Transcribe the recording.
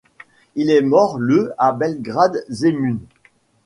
Il est mort le à Belgrade-Zemun.